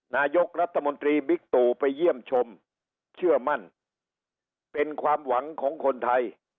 นายกรัฐมนตรีบิ๊กตู่ไปเยี่ยมชมเชื่อมั่นเป็นความหวังของคนไทย